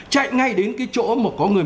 chạy ngay đến cái chỗ mà có người